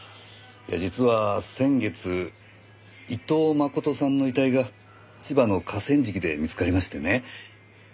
実は先月伊藤真琴さんの遺体が千葉の河川敷で見つかりましてね。